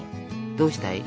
どうしたい？